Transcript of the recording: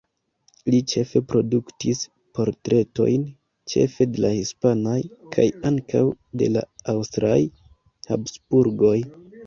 Li ĉefe produktis portretojn, ĉefe de la hispanaj, kaj ankaŭ de la aŭstraj, Habsburgoj.